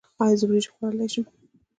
ایا زه وریجې خوړلی شم؟